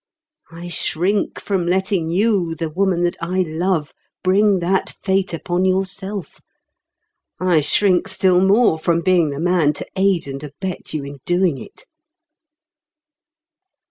I shrink from letting you, the woman that I love, bring that fate upon yourself; I shrink still more from being the man to aid and abet you in doing it."